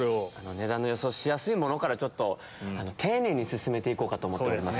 値段の予想をしやすいものから丁寧に進めて行こうと思ってます。